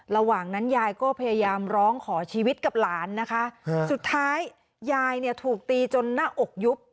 ระหว่างนั้นยายก็พยายามร้องขอชีวิตกับหลานนะคะสุดท้ายยายเนี่ยถูกตีจนหน้าอกยุบ